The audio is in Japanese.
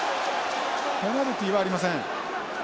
ペナルティーはありません。